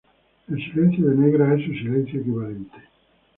El silencio de negra es su silencio equivalente.